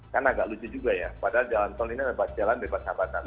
kan agak lucu juga ya padahal jalan tol ini bebas jalan bebas hambatan